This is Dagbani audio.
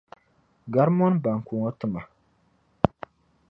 Gari mɔni bɔnku ŋɔ tima.